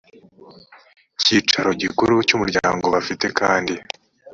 cyicaro gikuru cy umuryango bafite kandi